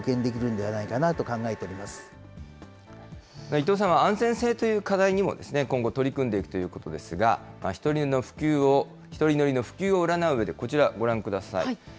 伊藤さんは安全性という課題にも今後取り組んでいくということですが、１人乗りの普及を占ううえでこちらご覧ください。